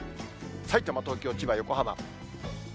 さいたま、東京、千葉、横浜。